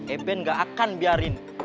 eben gak akan biarin